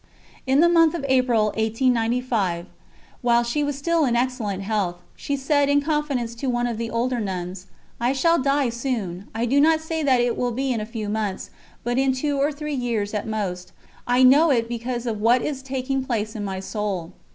In the month of April, 1895, while she was still in excellent health, she said in confidence to one of the older nuns: "I shall die soon. I do not say that it will be in a few months, but in two or three years at most; I know it because of what is taking place in my soul."